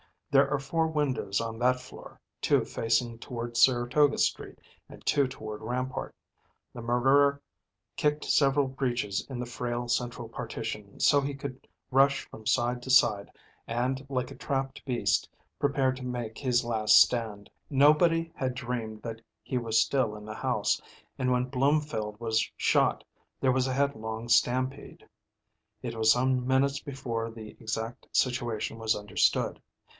There are four windows on that floor, two facing toward Saratoga Street and two toward Rampart. The murderer kicked several breaches in the frail central partition, so he could rush from side to side, and like a trapped beast, prepared to make his last stand. Nobody had dreamed that he was still in the house, and when Bloomfield was shot there was a headlong stampede. It was some minutes before the exact situation was understood.